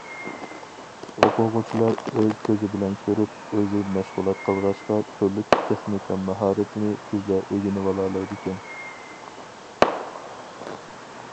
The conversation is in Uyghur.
ئوقۇغۇچىلار ئۆز كۆزى بىلەن كۆرۈپ، ئۆزى مەشغۇلات قىلغاچقا تۈرلۈك تېخنىكا ماھارىتىنى تېزلا ئۆگىنىۋالالايدىكەن.